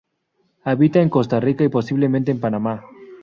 Habita en Costa Rica y posiblemente en Panamá.